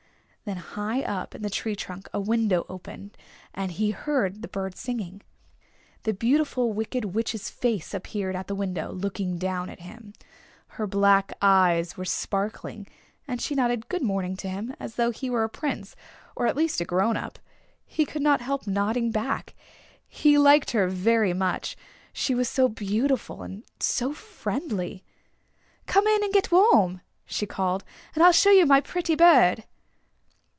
Then high up in the tree trunk a window opened, and he heard the bird singing. The Beautiful Wicked Witch's face appeared at the window, looking down at him. Her black eyes were sparkling and she nodded good morning to him as though he were a prince, or at least a grown up. He could not help nodding back. He liked her very much, she was so beautiful and so friendly. "Come in and get warm," she called, "and I'll show you my pretty bird."